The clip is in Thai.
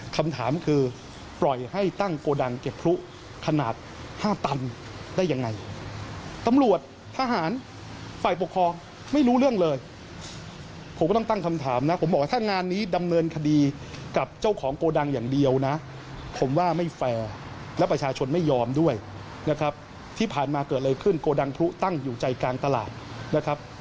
โกดังอย่างเดียวนะผมว่าไม่แฟร์และประชาชนไม่ยอมด้วยนะครับที่ผ่านมาเกิดอะไรขึ้นโกดังพลุตั้งอยู่ใจกลางตลาดนะครับ